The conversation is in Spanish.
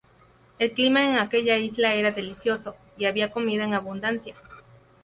El clima en aquella isla era delicioso, y había comida en abundancia.